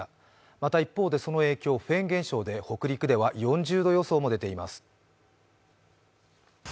また一方でその影響でフェーン現象で北陸では４０度予想も出ています。